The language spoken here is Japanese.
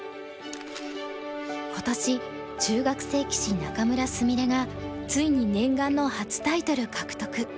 今年中学生棋士仲邑菫がついに念願の初タイトル獲得。